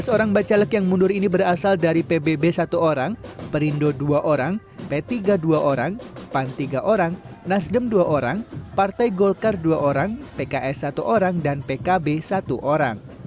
tiga belas orang bacalek yang mundur ini berasal dari pbb satu orang perindo dua orang p tiga dua orang pan tiga orang nasdem dua orang partai golkar dua orang pks satu orang dan pkb satu orang